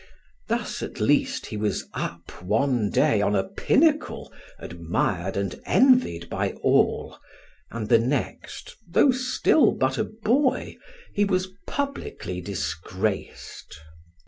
Thus, at least, he was up one day on a pinnacle, admired and envied by all; and the next, though still but a boy, he was publicly disgraced.